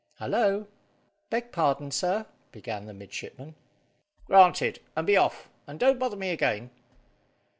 "Hullo!" "Beg pardon, sir," began the midshipman. "Granted! Be off, and don't bother me again."